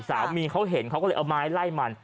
สามีเขาเห็นเขาก็เลยเอาไม้ไล่มัน